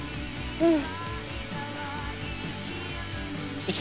うん。